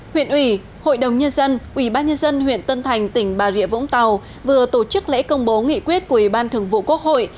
huyện ủy hội đồng nhân dân ủy ban nhân dân huyện tân thành tỉnh bà rịa vũng tàu vừa tổ chức lễ công bố nghị quyết của ủy ban thường vụ quốc hội